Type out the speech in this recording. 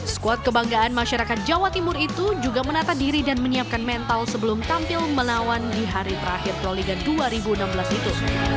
skuad kebanggaan masyarakat jawa timur itu juga menata diri dan menyiapkan mental sebelum tampil melawan di hari terakhir proliga dua ribu enam belas itu